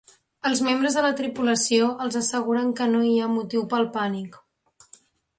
Els membres de la tripulació els asseguren que no hi ha motiu pel pànic.